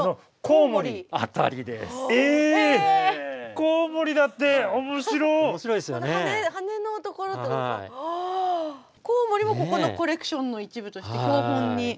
コウモリもここのコレクションの一部として標本に。